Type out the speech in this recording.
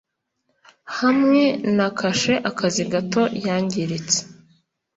Hamwe na kasheakazi gato yangiritse